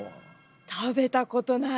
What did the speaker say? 食べたことない。